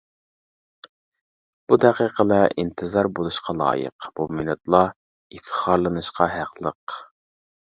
بۇ دەقىقىلەر ئىنتىزار بولۇشقا لايىق، بۇ مىنۇتلار ئىپتىخارلىنىشقا ھەقلىق!